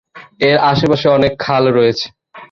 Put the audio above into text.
এর আশপাশে অনেক খাল রয়েছে।